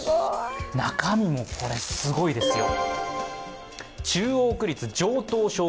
中身もこれ、すごいですよ。